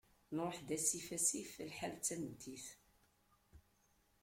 Nruḥ-d asif asif, lḥal d tameddit.